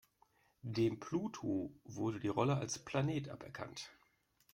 Dem Pluto wurde die Rolle als Planet aberkannt.